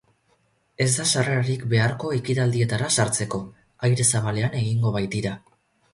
Ez da sarrerarik beharko ekitaldietara sartzeko, aire zabalean egingo baitira.